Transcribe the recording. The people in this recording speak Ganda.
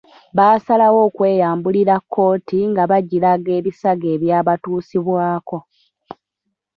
Baasalawo okweyambulira kkooti nga bagiraga ebisago ebyabatuusibwako.